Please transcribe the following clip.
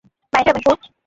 买这本书